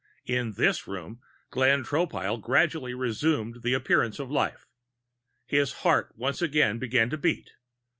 In this room, Glenn Tropile gradually resumed the appearance of life. His heart once again began to beat.